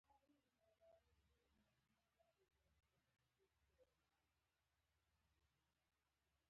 یمنی و اوس خو ښه دي.